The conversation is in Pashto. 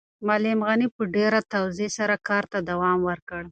معلم غني په ډېره تواضع سره کار ته دوام ورکړ.